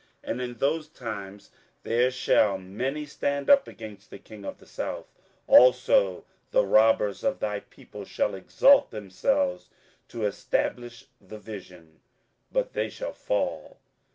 27:011:014 And in those times there shall many stand up against the king of the south: also the robbers of thy people shall exalt themselves to establish the vision; but they shall fall.